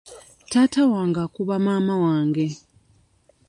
Taata wange akuba maama wange.